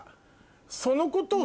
そのことを。